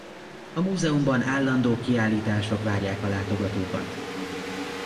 A múzeumban állandó kiállítások várják a látogatókat.